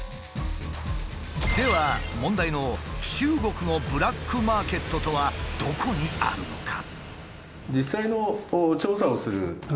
では問題の「中国のブラックマーケット」とはどこにあるのか？